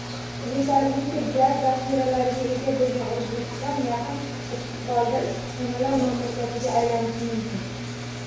Yetarlicha gaz zaxiralariga ega bo‘lgan O‘zbekiston yaqin istiqbolda issiqxonalar mamlakatiga aylanishi mumkin.